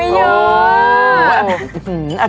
เยอะ